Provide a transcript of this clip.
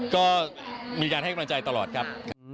ก็มีการให้กำลังใจตลอดครับ